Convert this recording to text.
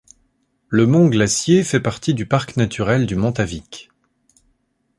Le mont Glacier fait partie du parc naturel du Mont-Avic.